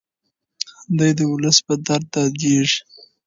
دی د ولس په درد دردیږي.